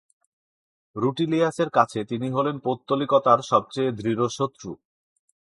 রূটিলিয়াসের কাছে তিনি হলেন পৌত্তলিকতার সবচেয়ে দৃঢ় শত্রু।